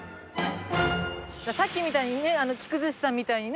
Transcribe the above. さっきみたいにね喜久鮨さんみたいにね